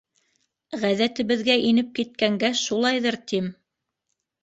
Ғәҙәтебеҙгә инеп киткәнгә шулайҙыр, тим.